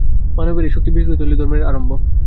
মানবের এই শক্তি বিকশিত হইলেই ধর্মের আরম্ভ।